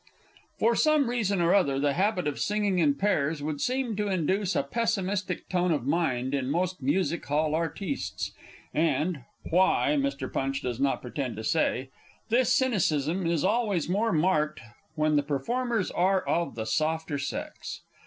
For some reason or other, the habit of singing in pairs would seem to induce a pessimistic tone of mind in most Music hall artistes, and why, Mr. Punch does not pretend to say this cynicism is always more marked when the performers are of the softer sex.